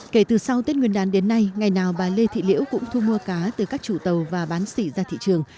kể từ sau tết nguyên đán đến nay ngày nào bà lê thị liễu cũng thu mua cá từ các chủ tàu và bán xỉ ra thị trường